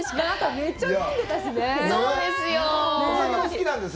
めっちゃ飲んでたしね！